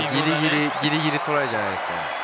ギリギリ、トライじゃないですか？